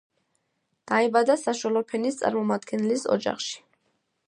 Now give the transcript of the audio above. დაიბადა საშუალო ფენის წარმომადგენლის ოჯახში.